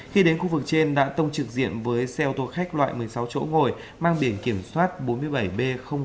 khi đến khu vực trên đã tông trực diện với xe ô tô khách loại một mươi sáu chỗ ngồi mang biển kiểm soát bốn mươi bảy b hai trăm năm mươi bảy